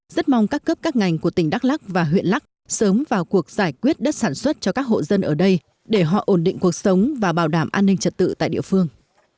rất mong các cấp các ngành của tỉnh đắk lắc và huyện lắc sớm vào cuộc giải quyết đất sản xuất cho các hộ dân ở đây để họ ổn định cuộc sống và bảo đảm an ninh trật tự tại địa phương